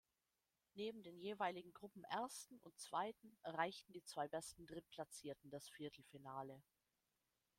Neben den jeweiligen Gruppenersten und -zweiten erreichten die zwei besten Drittplatzierten das Viertelfinale.